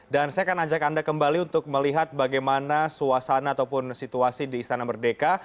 dan saya akan ajak anda kembali untuk melihat bagaimana suasana ataupun situasi di istana berdeka